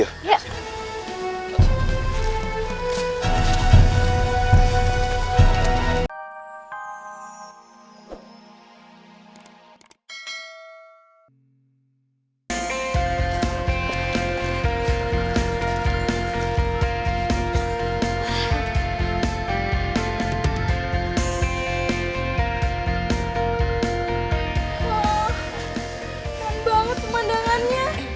oh keren banget pemandangannya